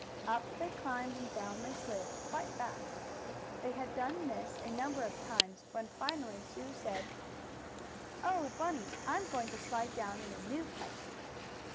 Up they climbed, and down they slid, quite fast. They had done this a number of times, when finally Sue said: "Oh, Bunny, I'm going to slide down in a new place!"